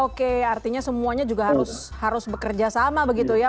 oke artinya semuanya juga harus bekerja sama begitu ya